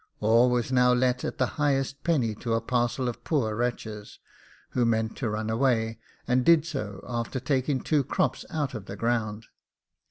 All was now let at the highest penny to a parcel of poor wretches, who meant to run away, and did so, after taking two crops out of the ground.